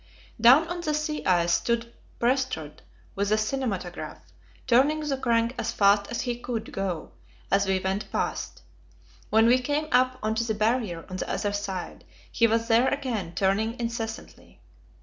Down on the sea ice stood Prestrud with the cinematograph, turning the crank as fast as he could go as we went past. When we came up on to the Barrier on the other side, he was there again, turning incessantly.